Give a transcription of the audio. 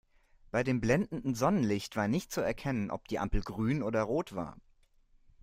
Bei dem blendenden Sonnenlicht war nicht zu erkennen, ob die Ampel grün oder rot war.